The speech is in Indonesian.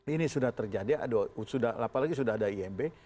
ini sudah terjadi apalagi sudah ada imb